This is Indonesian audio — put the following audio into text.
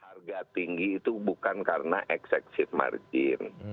harga tinggi itu bukan karena exexit margin